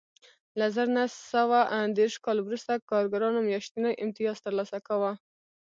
له زر نه سوه دېرش کال وروسته کارګرانو میاشتنی امتیاز ترلاسه کاوه